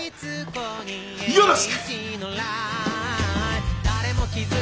よろしく！